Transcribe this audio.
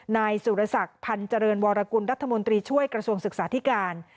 นายสุรศักดิ์พันธ์เจริญวรกุลรัฐมนตรีช่วยกระทรวงศึกษาธิการ